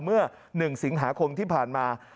เมื่อ๑สิงหาคมที่ผ่านมา